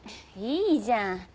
いいじゃん。